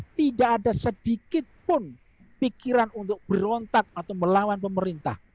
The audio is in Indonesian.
tidak ada sedikit pun pikiran untuk berontak atau melawan pemerintah